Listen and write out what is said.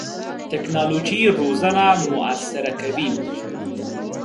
ټکنالوژي روزنه موثره کوي.